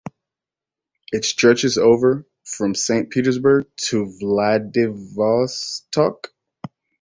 It stretches over from Saint Petersburg to Vladivostok.